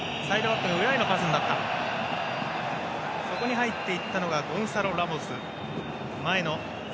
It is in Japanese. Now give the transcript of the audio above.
入っていったのがゴンサロ・ラモス。